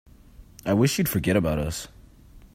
I wish you'd forget about us.